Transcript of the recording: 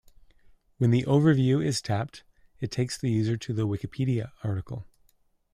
When the overview is tapped, it takes the user to the Wikipedia article.